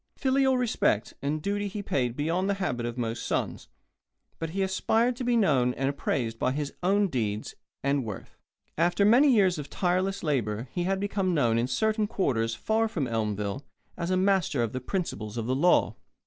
Filial respect and duty he paid beyond the habit of most sons, but he aspired to be known and appraised by his own deeds and worth. After many years of tireless labour he had become known in certain quarters far from Elmville as a master of the principles of the law.